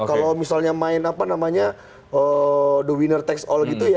kalau misalnya main the winner takes all gitu ya